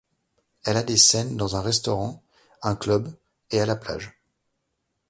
Elle a des scènes dans un restaurant, un club, et à la plage.